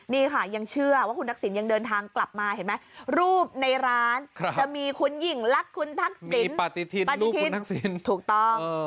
นี่ค่ะยังเชื่อว่าคุณทักษิณยังเดินทางกลับมาเห็นไหมรูปในร้านจะมีคุณยิ่งลักษณ์คุณทักษิณปฏิทินทักษิณถูกต้อง